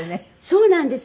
そうなんです。